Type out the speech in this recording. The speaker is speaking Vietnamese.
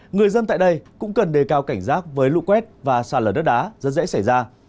người dân tại đây cũng cần đề cao cảnh giác với lũ quét và xa lở đất đá rất dễ xảy ra